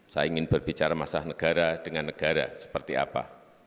saya ingin berbicara masalah negara dengan negara seperti apa